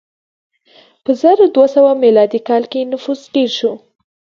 په زر دوه سوه میلادي کال کې نفوس ډېر شو.